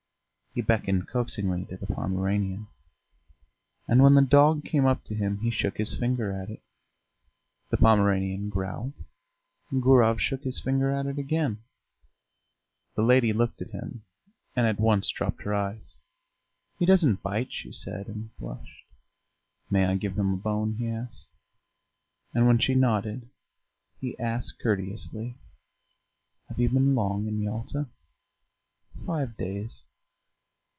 He beckoned coaxingly to the Pomeranian, and when the dog came up to him he shook his finger at it. The Pomeranian growled: Gurov shook his finger at it again. The lady looked at him and at once dropped her eyes. "He doesn't bite," she said, and blushed. "May I give him a bone?" he asked; and when she nodded he asked courteously, "Have you been long in Yalta?" "Five days."